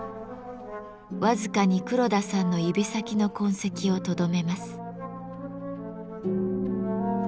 僅かに黒田さんの指先の痕跡をとどめます。